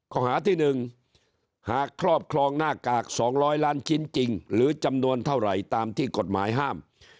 ข้อหาที่๑หากครอบครองหน้ากาก๒๐๐ล้านชิ้นจริงหรือจำนวนเท่าไหร่ตามที่กฎหมายห้าม